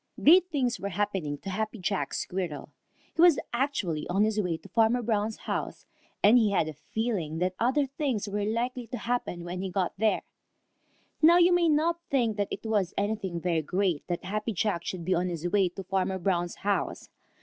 _ Great things were happening to Happy Jack Squirrel. He was actually on his way to Farmer Brown's house, and he had a feeling that other things were likely to happen when he got there. Now you may not think that it was anything very great that Happy Jack should be on his way to Farmer Brown's house.